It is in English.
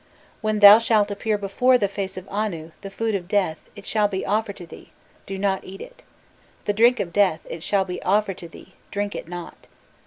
When thou shalt appear before the face of Anu, the food of death, it shall be offered to thee, do not eat it. The drink of death, it shall be offered to thee, drink it not.